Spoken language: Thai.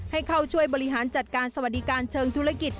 ให้เข้าช่วยบริหารจัดการสวัสดิการเชิงธุรกิจ